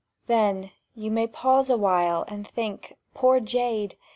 Then you may pause awhile and think, "Poor jade!"